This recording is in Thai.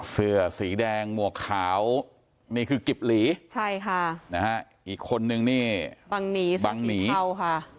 เสื้อสีแดงมวกขาวนี่คือกิบหลีใช่ค่ะนะฮะอีกคนนึงนี่บังหนีเสื้อสีเทาค่ะ